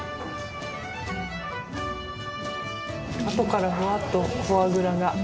あとからフワッとフォアグラが。